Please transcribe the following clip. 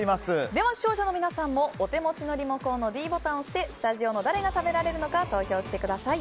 では、視聴者の皆さんもお手持ちのリモコンのｄボタンを押してスタジオの誰が食べられるのか投票してください。